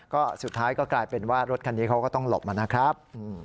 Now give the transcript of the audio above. ก็สุดท้ายก็กลายเป็นว่ารถคันนี้เขาก็ต้องหลบมานะครับ